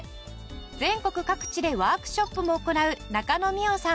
全国各地でワークショップも行う中野実桜さん